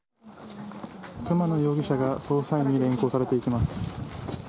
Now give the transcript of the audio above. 熊野容疑者が捜査員に連行されていきます。